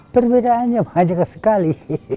perbedaannya banyak sekali